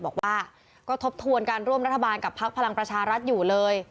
บอกว่าก็ทบทวนการร่วมรัฐบาลกับพักพลังประชารัฐอยู่เลย